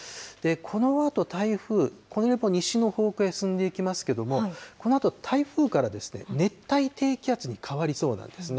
このあと台風、このあと西の方向へ進んでいきますけれども、このあと台風から熱帯低気圧に変わりそうなんですね。